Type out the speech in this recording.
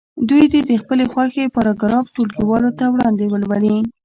دوی دې د خپلې خوښې پاراګراف ټولګیوالو په وړاندې ولولي.